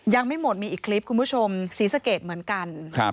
ยังไม่หมดมีอีกคลิปคุณผู้ชมศรีสะเกดเหมือนกัน